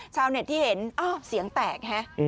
ชาวเน็ตที่เห็นอ้าวเสียงแตกฮะ